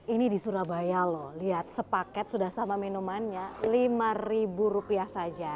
ini di surabaya loh lihat sepaket sudah sama minumannya lima ribu rupiah saja